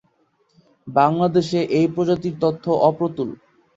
বাংলাদেশে এই প্রজাতির তথ্য অপ্রতুল।